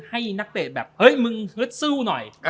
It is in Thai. ให้นักเบทย์แบบเฮ้ยมึงแล่วสู้หน่อย